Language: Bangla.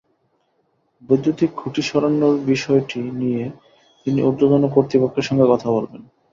বৈদ্যুতিক খুঁটি সরানোর বিষয়টি নিয়ে তিনি ঊর্ধ্বতন কর্তৃপক্ষের সঙ্গে কথা বলবেন।